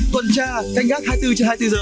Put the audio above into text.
tuần tra canh gác hai mươi bốn h hai mươi bốn h